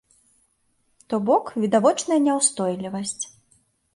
То бок відавочная няўстойлівасць.